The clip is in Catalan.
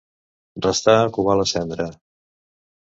Restar a covar la cendra.